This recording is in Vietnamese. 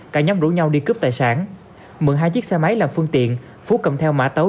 cả nhóm rủ nhau đi cướp tài sản mượn hai chiếc xe máy làm phương tiện phú cầm theo mã tấu